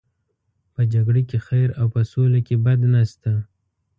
په جګړه کې خیر او په سوله کې بد نشته.